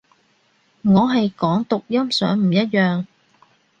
我係講讀音上唔一樣